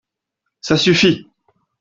Ça suffit !